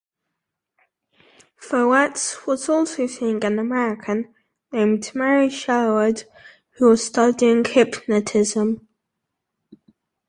Ploetz was also seeing an American named Mary Sherwood who was studying hypnotism.